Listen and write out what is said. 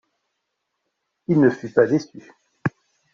Il ne fut pas déçu.